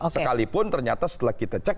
sekalipun ternyata setelah kita cek